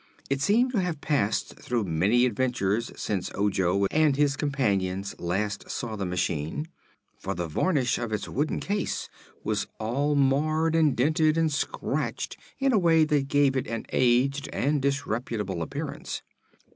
It seemed to have passed through many adventures since Ojo and his comrades last saw the machine, for the varnish of its wooden case was all marred and dented and scratched in a way that gave it an aged and disreputable appearance.